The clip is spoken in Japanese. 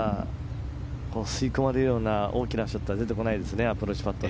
吸い込まれるような大きなショットは出てこないですね。